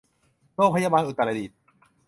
โรงพยาบาลอุตรดิตถ์